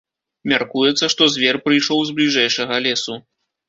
Мяркуецца, што звер прыйшоў з бліжэйшага лесу.